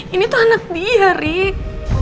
ini tuh anak dia rik